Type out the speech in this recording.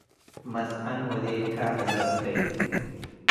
መጽዐን ወዴከ ዕዛፍ ደዩ።